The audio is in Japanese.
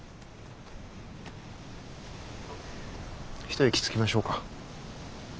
一息つきましょうか。